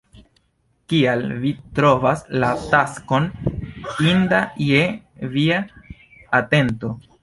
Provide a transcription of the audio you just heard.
Kial vi trovas la taskon inda je via atento?